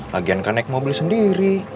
lagian kan naik mobil sendiri